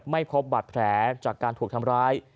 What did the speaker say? ไม่พบบัตรแผลจากการถูกทำร้าย